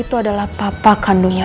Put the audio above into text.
sudah bertahun tahun kan